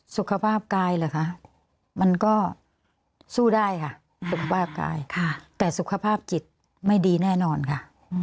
สุขภาพกายเหรอคะมันก็สู้ได้ค่ะสุขภาพกายแต่สุขภาพจิตไม่ดีแน่นอนค่ะ